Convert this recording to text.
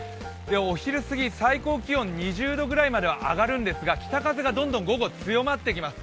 お昼過ぎ、最高気温２０度ぐらいまでは上がるんですが北風がどんどん午後強まっていきます。